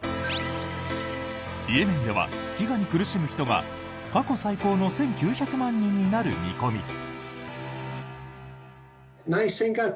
イエメンでは飢餓に苦しむ人が過去最高の１９００万人になる見込み。